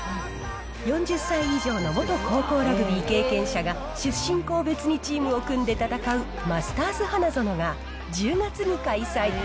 ４０歳以上の元高校ラグビー経験者が、出身校別にチームを組んで戦うマスターズ花園が、１０月に開催。